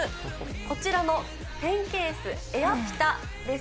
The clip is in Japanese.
こちらのペンケース、エアピタです。